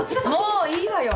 もういいわよ